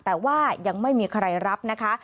แต่ว่ายังไม่มีใครรับนะคะ